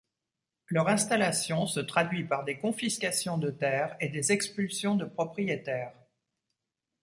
Leur installation se traduit par des confiscations de terres et des expulsions de propriétaires.